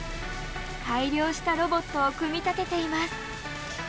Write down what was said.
改良したロボットを組み立てています。